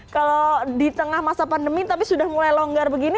kalau di tengah masa pandemi tapi sudah mulai longgar begini